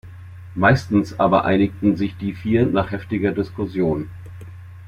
Meistens aber einigten sich die vier nach heftiger Diskussion.